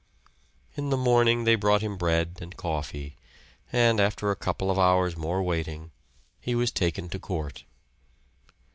In the morning they brought him bread and coffee; and after a couple of hours' more waiting he was taken to court.